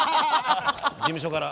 事務所から。